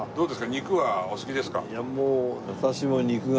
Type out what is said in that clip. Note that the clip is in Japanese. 肉はお好きですか？